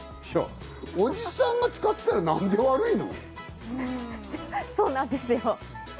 おじさんが使ってたら何で悪そうなんですよ。